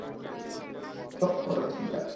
চোখ খোলো সাজ্জাদ।